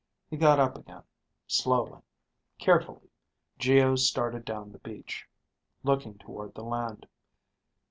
He got up again, slowly. Carefully Geo started down the beach, looking toward the land.